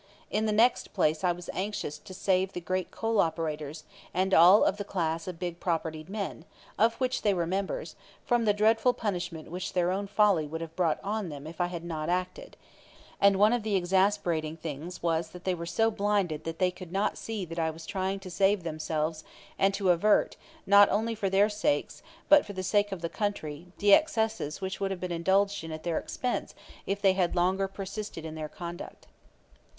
In the next place I was anxious to save the great coal operators and all of the class of big propertied men, of which they were members, from the dreadful punishment which their own folly would have brought on them if I had not acted; and one of the exasperating things was that they were so blinded that they could not see that I was trying to save them from themselves and to avert, not only for their sakes, but for the sake of the country, the excesses which would have been indulged in at their expense if they had longer persisted in their conduct.